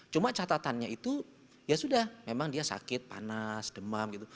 cuma catatannya itu ya sudah memang dia sakit panas demam gitu